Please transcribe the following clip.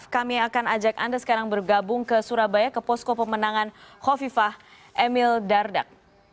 kami akan ajak anda sekarang bergabung ke surabaya ke posko pemenangan hovifah emil dardak